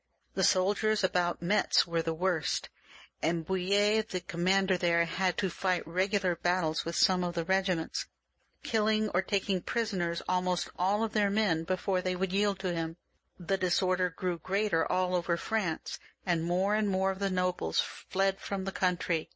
The soldiers about Metz were the worst, and Bouill4 the commander there, had to 394 THE REVOLUTION, [CH. fight regular battles with some of the regiments, killing or taking prisoners almost all their men before they would yield to him. The disorder grew greater all over France, and more and more of the nobles fled from the country.